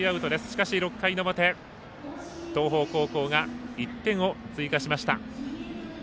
しかし、６回の表東邦高校が１点を追加しました。